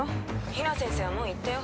☎比奈先生はもう行ったよ